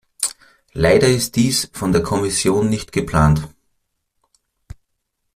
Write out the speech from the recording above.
Leider ist dies von der Kommission nicht geplant.